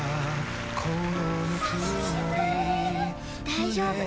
大丈夫。